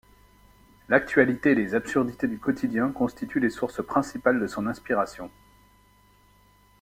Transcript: L'actualité et les absurdités du quotidien constituent les sources principales de son inspiration.